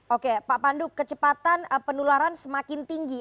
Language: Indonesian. oke pak pandu kecepatan penularan semakin tinggi